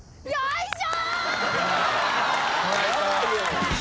よいしょ！